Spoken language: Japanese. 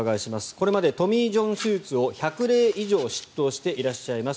これまでトミー・ジョン手術を１００例以上執刀していらっしゃいます